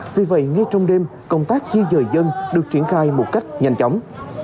vì vậy ngay trong đêm công tác di dời dân được triển khai một cách nhanh chóng